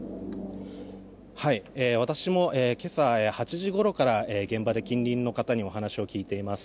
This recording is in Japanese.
私も今朝８時ごろから現場で近隣の方にお話を聞いています。